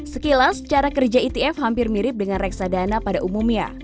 sekilas cara kerja etf hampir mirip dengan reksadana pemerintah